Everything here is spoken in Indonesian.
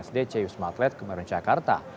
sdc wismaplet kemerun jakarta